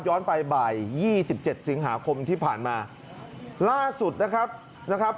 ย้อนไปบ่าย๒๗สิงหาคมที่ผ่านมาล่าสุดนะครับ